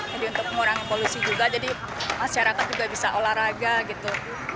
jadi untuk mengurangi polusi juga jadi masyarakat juga bisa olahraga gitu